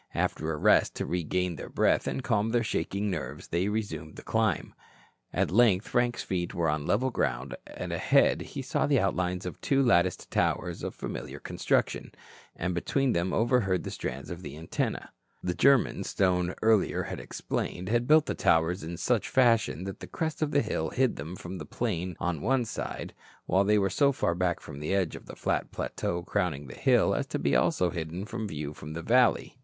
After a rest to regain their breath and calm their shaking nerves, they resumed the climb. At length Frank's feet were on level ground and ahead he saw the outlines of two latticed towers of familiar construction, and between them overheard the strands of the antenna. The Germans, Stone earlier had explained, had built the towers in such fashion that the crest of the hill hid them from the plain on one side while they were so far back from the edge of the flat plateau crowning the hill as to be also hidden from view from the valley.